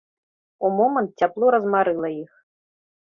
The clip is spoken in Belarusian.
У момант цяпло размарыла іх.